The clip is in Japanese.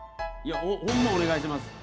ホンマお願いします。